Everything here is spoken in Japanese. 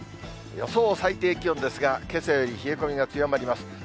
予想最低気温ですが、けさより冷え込みが強まります。